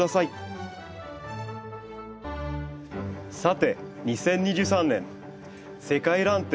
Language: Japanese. さて２０２３年世界らん展